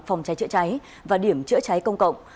phòng cháy chữa cháy và điểm chữa cháy công cộng